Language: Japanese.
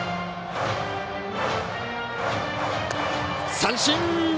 三振！